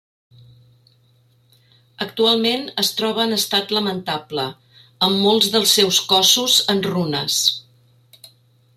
Actualment es troba en estat lamentable, amb molts dels seus cossos en runes.